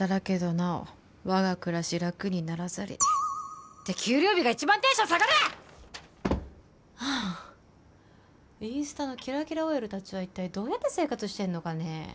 なおわが暮らし楽にならざりって給料日が一番テンション下がるわ！はあインスタのキラキラＯＬ達は一体どうやって生活してんのかね